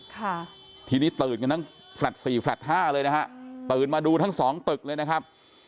ทีนี้ตื่นกันทั้งแฟลด๔แฟลด๕เลยนะฮะตื่นมาดูทั้ง๒ตึกเลยนะครับ